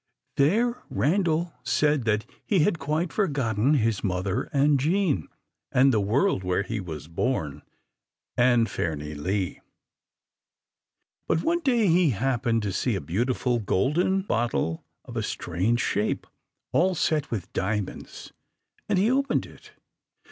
There Randal said that he had quite forgotten his mother and Jean, and the world where he was born, and Fairnilee. But one day he happened to see a beautiful golden bottle of a strange shape, all set with diamonds, and he opened it.